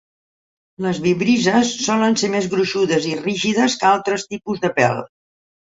Les vibrisses solen ser més gruixudes i rígides que altres tipus de pèl.